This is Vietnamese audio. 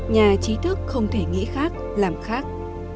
nhà trí thức không thể nghĩ khác làm khác